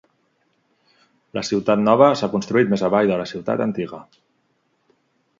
La ciutat nova s'ha construït més avall de la ciutat antiga.